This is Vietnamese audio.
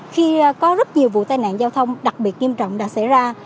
khi có rất nhiều vụ tai nạn giao thông đặc biệt nghiêm trọng đã xảy ra